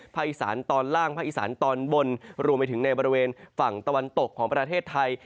อีสานตอนล่างภาคอีสานตอนบนรวมไปถึงในบริเวณฝั่งตะวันตกของประเทศไทย